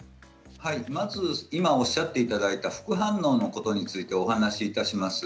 まず今おっしゃっていただいた副反応のことについてお話いたします。